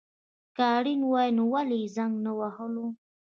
که اړين وای نو ولي يي زنګ نه وهلو